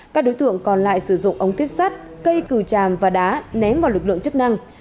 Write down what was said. các đối tượng còn lại sử dụng ống tuyếp sắt cây cừu tràm và đá ném vào lực lượng chức năng